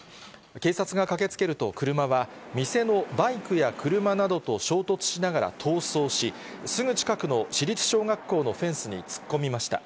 警察が駆けつけると車は、店のバイクや車などと衝突しながら逃走し、すぐ近くの市立小学校のフェンスに突っ込みました。